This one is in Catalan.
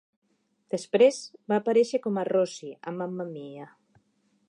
Després, va aparèixer com a "Rosie" a "Mamma Mia!".